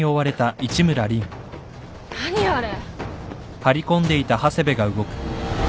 何あれ？